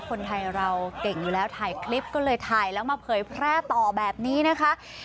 คนไทยเราเก่งอยู่แล้วถ่ายคลิปก็เลยถ่ายแล้วมาเผยแพร่ต่อแบบนี้นะคะ